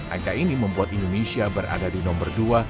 angka ini membuat indonesia berada di nomor dua